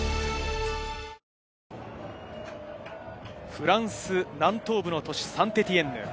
フランス南東部の都市・サンテティエンヌ。